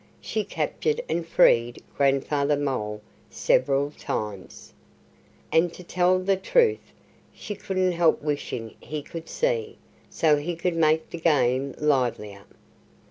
She captured and freed Grandfather Mole several times. And to tell the truth, she couldn't help wishing he could see, so he could make the game livelier.